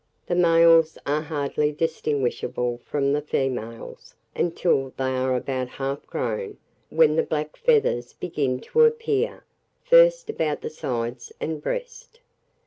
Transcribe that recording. The males are hardly distinguishable from the females until they are about half grown, when the black feathers begin to appear, first about the sides and breast.